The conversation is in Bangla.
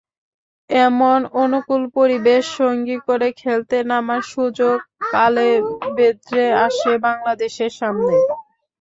এমন অনুকূল পরিবেশ সঙ্গী করে খেলতে নামার সুযোগ কালেভদ্রে আসে বাংলাদেশের সামনে।